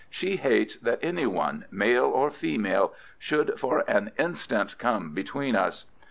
She hates that any one—male or female—should for an instant come between us.